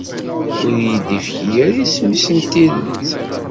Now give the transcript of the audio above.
Ur yi-d-ifki ara isem-is n tidet.